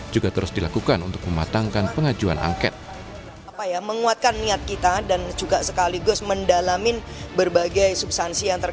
juga terus dilakukan untuk mematangkan pengajuan angket